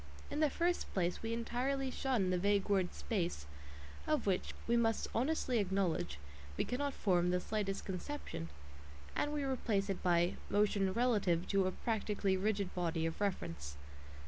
In the first place we entirely shun the vague word "space," of which, we must honestly acknowledge, we cannot form the slightest conception, and we replace it by "motion relative to a practically rigid body of reference."